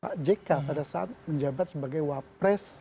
pak jk pada saat menjabat sebagai wapres